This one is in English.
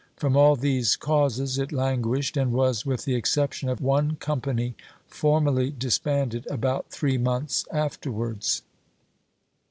From all these HiJ^^son, causes it languished, and was, with the exception of 'toTBiac¥ one company, formally disbanded about three pp.^27257i. months afterwards.